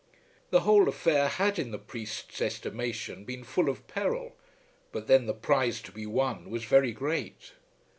The whole affair had in the priest's estimation been full of peril; but then the prize to be won was very great!